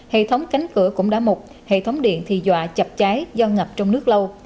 hệ thống cánh cửa cũng đã mục hệ thống điện thì dọa chập cháy do ngập trong nước lâu